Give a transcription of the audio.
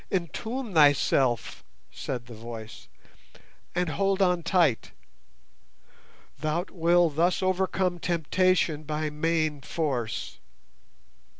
'Entomb thyself,' said the voice, 'and hold on tight! Thou wilt thus overcome temptation by main force!